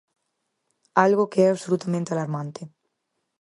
Algo que é absolutamente alarmante.